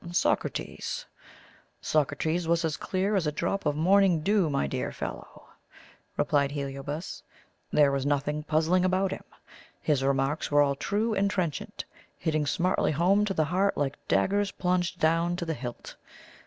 "Socrates? Socrates was as clear as a drop of morning dew, my dear fellow," replied Heliobas. "There was nothing puzzling about him. His remarks were all true and trenchant hitting smartly home to the heart like daggers plunged down to the hilt.